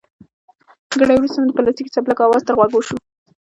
ګړی وروسته مې د پلاستیکي څپلکو اواز تر غوږو شو.